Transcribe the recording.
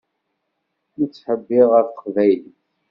Nettḥebbiṛ ɣef teqbaylit.